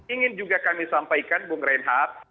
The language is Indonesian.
ingin juga kami sampaikan bung reinhardt